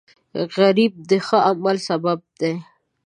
غریب د ښه عمل سبب دی